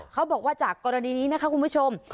เขาบอกว่าจากกรณีนี้นะคะคุณผู้ชม